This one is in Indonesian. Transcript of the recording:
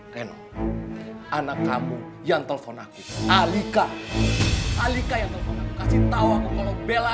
reno anak kamu yang telepon aku alika alika yang telepon aku kasih tau aku kalau bella